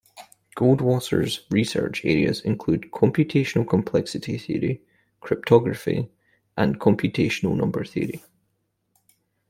Goldwasser's research areas include computational complexity theory, cryptography and computational number theory.